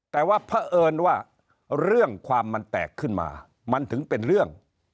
แต่ว่าเพราะเอิญว่าเรื่องความมันแตกขึ้นมามันถึงเป็นเรื่อง